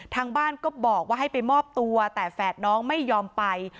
ทางบ้านก็บอกว่าให้ไปมอบตัวแต่แฝดน้องไม่ยอมไป